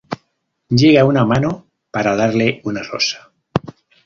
Llega una mano para darle una rosa.